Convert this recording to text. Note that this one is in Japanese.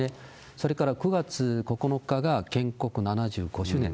それから９月９日が建国７５周年。